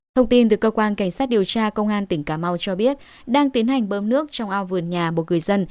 thông tin từ cơ quan cảnh sát điều tra công an tỉnh cà mau cho biết đang tiến hành bơm nước trong ao vườn nhà một người dân